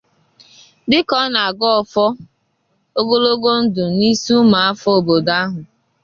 Dịka ọ na-agọ ọfọ ogologo ndụ n'isi ụmụafọ obodo ahụ